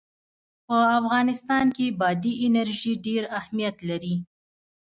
په افغانستان کې بادي انرژي ډېر اهمیت لري.